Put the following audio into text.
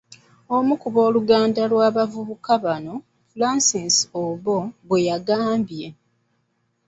Omu ku booluganda b’abavubuka bano, Francis Obbo bwe yagambye.